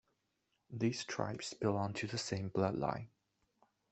These tribes belong to the same blood line.